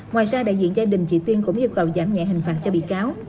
ngoài ra đại diện gia đình chị tiên cũng yêu cầu giảm nhẹ hình phạt cho bị cáo